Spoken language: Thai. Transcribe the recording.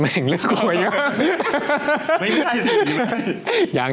ไม่เรื่องก่อนไปยัง